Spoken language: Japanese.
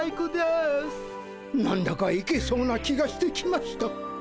何だかいけそうな気がしてきました。